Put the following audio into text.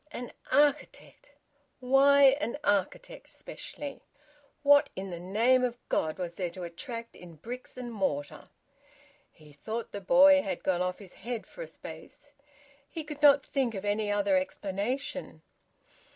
... An architect! Why an architect, specially? What in the name of God was there to attract in bricks and mortar? He thought the boy had gone off his head for a space. He could not think of any other explanation.